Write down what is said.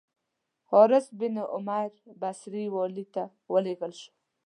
حارث بن عمیر بصري والي ته ولېږل شو.